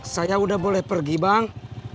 saya udah boleh pergi bang